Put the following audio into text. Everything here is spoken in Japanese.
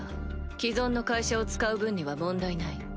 既存の会社を使う分には問題ない。